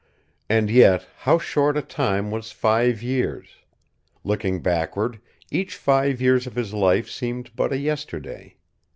And yet, how short a time was five years! Looking backward, each five years of his life seemed but a yesterday.